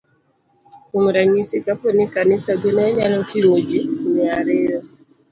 Kuom ranyisi, kapo ni kanisagi ne nyalo ting'o ji mia ariyo,